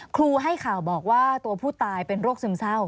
ให้ข่าวบอกว่าตัวผู้ตายเป็นโรคซึมเศร้า